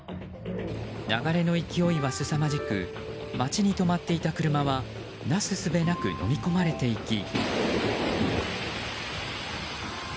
流れの勢いはすさまじく町に止まっていた車はなすすべなくのみ込まれていき。